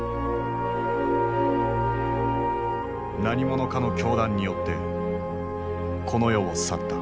何者かの凶弾によってこの世を去った。